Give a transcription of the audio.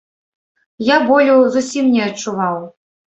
Я болю зусім не адчуваў.